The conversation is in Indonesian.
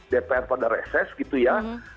dpr pada reses gitu ya